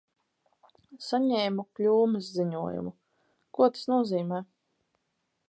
Saņemu kļūmes ziņojumu. Ko tas nozīmē?